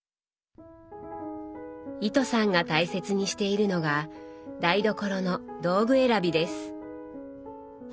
糸さんが大切にしているのが台所の道具選びです。